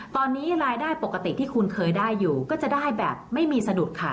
ตอนนี้รายได้ปกติที่คุณเคยได้อยู่ก็จะได้แบบไม่มีสะดุดค่ะ